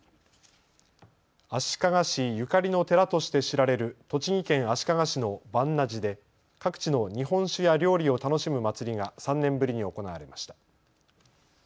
足利氏ゆかりの寺として知られる栃木県足利市の鑁阿寺で各地の日本酒や料理を楽しむ祭りが３年ぶりに行われました。